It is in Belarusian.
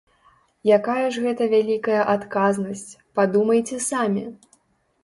Якая ж гэта вялікая адказнасць, падумайце самі!